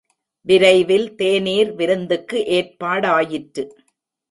விரைவில் தேநீர் விருந்துக்கு ஏற்பாடாயிற்று.